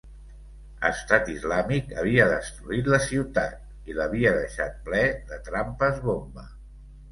Estat Islàmic havia destruït la ciutat i l'havia deixat ple de trampes bomba.